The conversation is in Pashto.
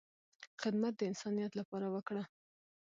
خدمت د انسانیت لپاره وکړه،